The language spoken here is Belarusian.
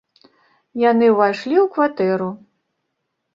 Яны ўвайшлі ў кватэру.